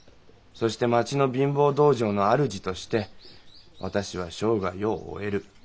そして町の貧乏道場の主として私は生涯を終える。